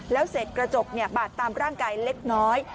แล้วเสร็จกระจกบาดตามร่างกายเล็กน้อย